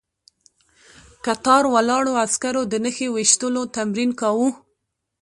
کتار ولاړو عسکرو د نښې ويشتلو تمرين کاوه.